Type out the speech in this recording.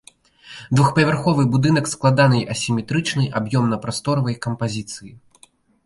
Двухпавярховы будынак складанай асіметрычнай аб'ёмна-прасторавай кампазіцыі.